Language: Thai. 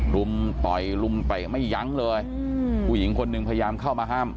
ลุมปล่อยลุมไปไม่ยั้งเลยอืมผู้หญิงคนนึงพยายามเข้ามาห้าม